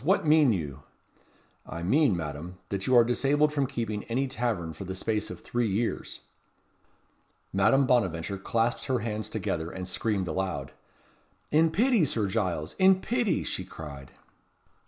what mean you?" "I mean, Madame, that you are disabled from keeping any tavern for the space of three years." Madame Bonaventure clasped her hands together, and screamed aloud. "In pity, Sir Giles! In pity!" she cried.